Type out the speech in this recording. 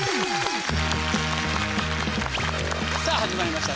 さあ始まりました